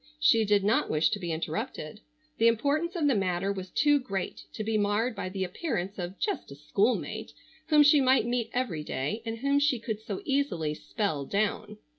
She did not wish to be interrupted. The importance of the matter was too great to be marred by the appearance of just a schoolmate whom she might meet every day, and whom she could so easily "spell down."